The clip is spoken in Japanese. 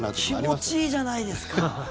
気持ちいいじゃないですか。